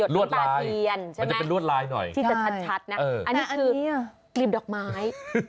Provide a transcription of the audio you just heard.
หลวดลายหลวดลายหน่อยที่จะชัดนะอันนี้คือกรีบดอกไม้